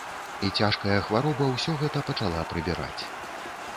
І цяжкая хвароба ўсё гэта пачала прыбіраць.